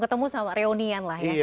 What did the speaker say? ketemu sama reunian lah ya